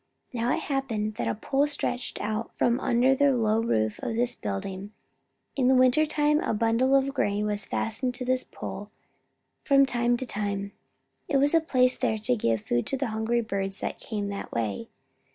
Now it happened that a pole stretched out from under the low roof of this building. In winter time a bundle of grain was fastened to this pole from time to time. It was placed there to give food to the hungry birds that came that way.